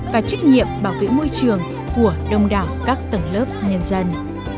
và trách nhiệm bảo vệ môi trường của đông đảo các tầng lớp nhân dân